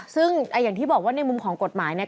ซึ่งอย่างที่บอกว่าในมุมของกฎหมายเนี่ย